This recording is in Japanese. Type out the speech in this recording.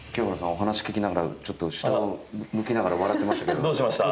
お話聞きながらちょっと下を向きながら笑ってましたけどどうしました？